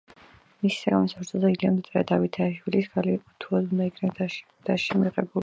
მის საგამოცდო ფურცელზე ილიამ დააწერა: „დავითაშვილის ქალი უთუოდ უნდა იქნეს დასში მიღებული“.